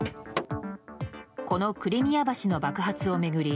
このクリミア橋の爆発を巡り